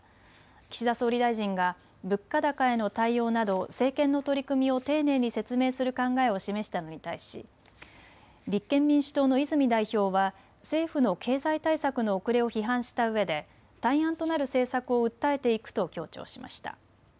岸田総理大臣が物価高への対応など政権の取り組みを丁寧に説明する考えを示したのに対し、立憲民主党の泉代表は政府の経済対策の遅れを批判したうえで対案となる政策を訴えていくと強調しました。